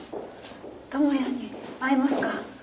智也に会えますか？